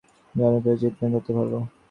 আপনি যত বেশি শিরোপা জিতবেন, তত ভালো।